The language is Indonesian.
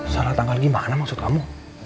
sangat tanggal gimana maksud kamu